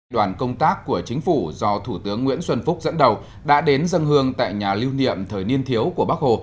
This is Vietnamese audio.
đoàn công tác của chính phủ do thủ tướng nguyễn xuân phúc dẫn đầu đã đến dân hương tại nhà lưu niệm thời niên thiếu của bắc hồ